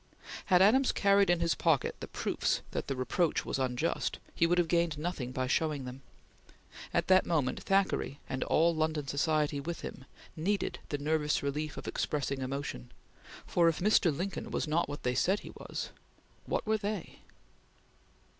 Had Adams carried in his pocket the proofs that the reproach was unjust, he would have gained nothing by showing them. At that moment Thackeray, and all London society with him, needed the nervous relief of expressing emotion; for if Mr. Lincoln was not what they said he was what were they?